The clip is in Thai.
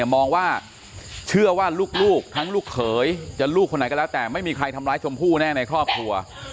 มองว่าเชื่อว่าลูกทั้งลูกเขยจะลูกคนไหนก็แล้วแต่ไม่มีใครทำร้ายชมพู่แน่ในครอบครัว